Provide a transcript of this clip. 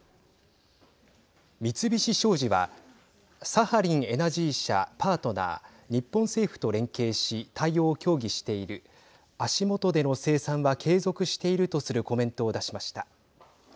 三菱商事はサハリンエナジー社、パートナー日本政府と連携し対応を協議している足元での生産は継続しているとするコメントを出しました。